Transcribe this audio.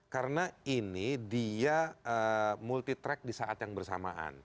karena ini dia multitrack di saat yang bersamaan